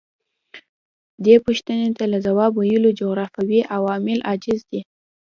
دې پوښتنې ته له ځواب ویلو جغرافیوي عوامل عاجز دي.